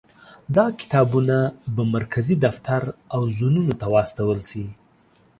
دا کتابونه به مرکزي دفتر او زونونو ته واستول شي.